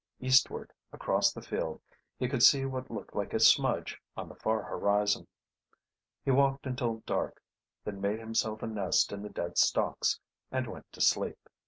Eastward across the field he could see what looked like a smudge on the far horizon. He walked until dark, then made himself a nest in the dead stalks, and went to sleep.